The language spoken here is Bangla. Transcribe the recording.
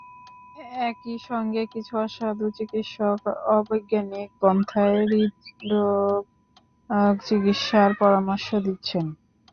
একই সঙ্গে কিছু অসাধু চিকিৎসক অবৈজ্ঞানিক পন্থায় হৃদ্রোগ চিকিৎসার পরামর্শ দিচ্ছেন।